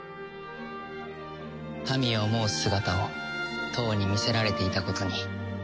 民を思う姿をとうに見せられていたことに。